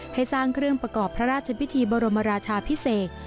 ให้สร้างเครื่องประกอบพระราชพิธีบรมราชาพิเศษ